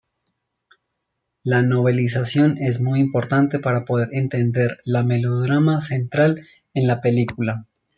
La novelización es muy importante para poder entender la melodrama central en la película.